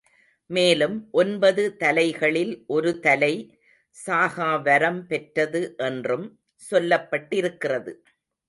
மேலும், ஒன்பது தலைகளில் ஒரு தலை சாகாவரம் பெற்றது என்றும் சொல்லப்பட்டிருக்கிறது.